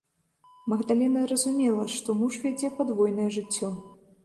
Магдалена разумела, што муж вядзе падвойнае жыццё.